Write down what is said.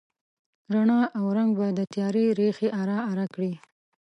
رڼا او رنګ به د تیارې ریښې اره، اره کړي